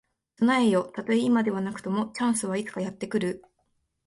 備えよ。たとえ今ではなくとも、チャンスはいつかやって来る。